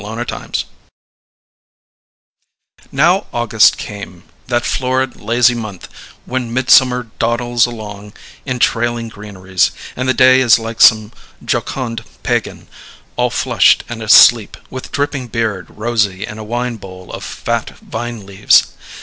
CHAPTER TEN Now August came, that florid lazy month when mid summer dawdles along in trailing greeneries, and the day is like some jocund pagan, all flushed and asleep, with dripping beard rosy in a wine bowl of fat vine leaves.